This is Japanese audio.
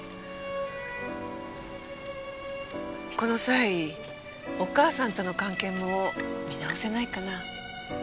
この際お母さんとの関係も見直せないかな？